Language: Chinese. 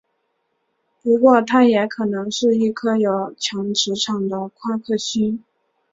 不过它也可能是一颗有强磁场的夸克星。